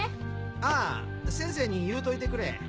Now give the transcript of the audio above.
あぁ先生に言うといてくれ。